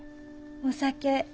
お酒